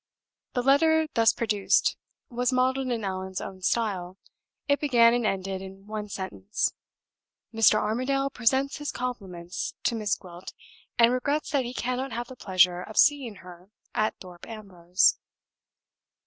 The letter thus produced was modeled in Allan's own style; it began and ended in one sentence. "Mr. Armadale presents his compliments to Miss Gwilt, and regrets that he cannot have the pleasure of seeing her at Thorpe Ambrose."